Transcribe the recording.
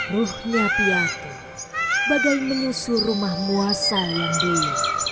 ruhnya piatu bagai menyusu rumah muasal yang dia